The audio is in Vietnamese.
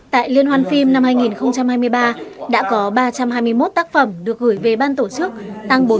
tại liên hoàn phim năm hai nghìn hai mươi ba đã có ba trăm hai mươi một tác phẩm được gửi về ban tổ chức tăng bốn